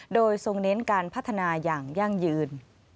โดยทรงเน้นการพัฒนาอย่างยั่งยืน